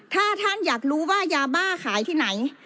ถ้าท่านอยากรู้ว่ายาบ้าขายที่ไหน